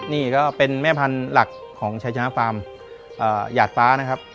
นี่ก็เป็นแม่พันธุ์หลักของชัยชนะฟาร์มหยาดฟ้านะครับ